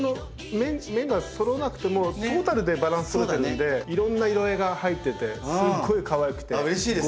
面がそろわなくてもトータルでバランス取れてるんでいろんな色合いが入っててすごいかわいくてゴージャスでいいです。